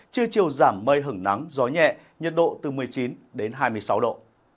chưa chiều giảm mây hứng nắng gió nhẹ nhiệt độ từ một mươi chín hai mươi sáu độ